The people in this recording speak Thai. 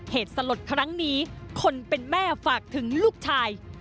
เหตุสลดครั้งนี้คนเป็นแม่ฝากถึงลูกชาย